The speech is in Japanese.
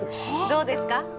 どうですか？